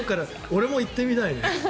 俺も言ってみたいね。